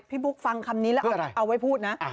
บุ๊คฟังคำนี้แล้วเอาไว้พูดนะ